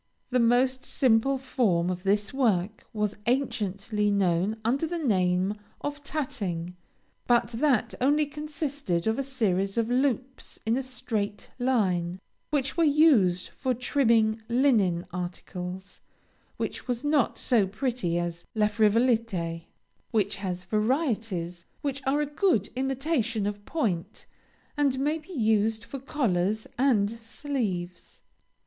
The most simple form of this work was anciently known under the name of Tatting, but that only consisted of a series of loops in a straight line, which were used for trimming linen articles, and which was not so pretty as La Frivolité, which has varieties which are a good imitation of point, and may be used for collars and sleeves.